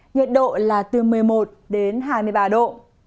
nhiệt độ là từ một mươi một đến hai mươi ba độ